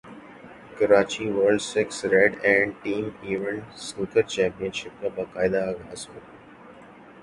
Karachi world six red and team event snooker championship کا باقاعدہ اغاز ہوگیا